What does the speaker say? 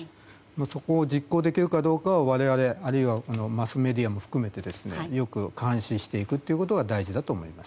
そこを実行できるかどうかは我々、あるいはマスメディアも含めてよく監視していくということは大事だと思います。